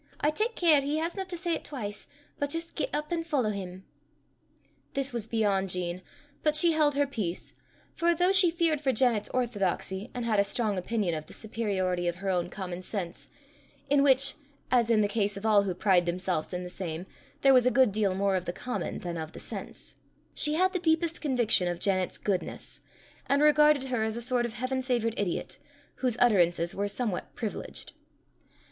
_ I tak care he hasna to say 't twise, but jist get up an' follow him." This was beyond Jean, but she held her peace, for, though she feared for Janet's orthodoxy, and had a strong opinion of the superiority of her own common sense in which, as in the case of all who pride themselves in the same, there was a good deal more of the common than of the sense she had the deepest conviction of Janet's goodness, and regarded her as a sort of heaven favoured idiot, whose utterances were somewhat privileged.